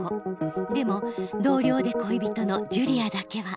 でも同僚で恋人のジュリアだけは。